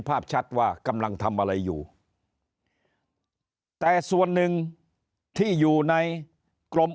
ภาพชัดว่ากำลังทำอะไรอยู่แต่ส่วนหนึ่งที่อยู่ในกรม